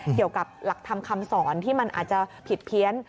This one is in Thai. เกี่ยวกับหลักธรรมคำสอนที่มันอาจจะผิดเพี้ยน